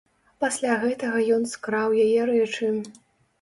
Пасля гэтага ён скраў яе рэчы.